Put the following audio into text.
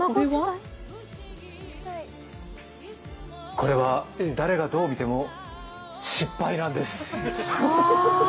これは誰がどう見ても失敗なんです。